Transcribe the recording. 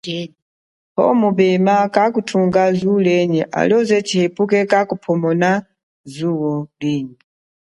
Powo mupema kakuthunga zuo lienyi halioze poho tshihepuke kakuphomona zuo lienyi.